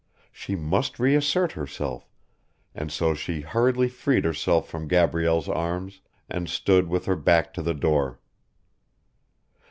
She must reassert herself, and so she hurriedly freed herself from Gabrielle's arms and stood with her back to the door.